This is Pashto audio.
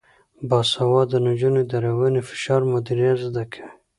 باسواده نجونې د رواني فشار مدیریت زده کوي.